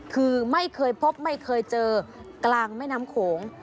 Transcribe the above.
คือไม่เคยพบไม่เคยเจอกลางแม่น้ำโขง